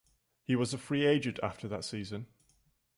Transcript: He was a free agent after that season.